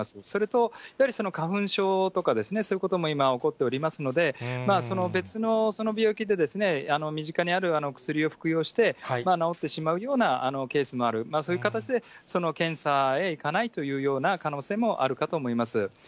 それとやはり、花粉症とかですね、そういうことも今、起こっておりますので、その別の病気で、身近にある薬を服用して、治ってしまうようなケースもある、そういう形で、検査へいかないというような可能性もあるかと思います。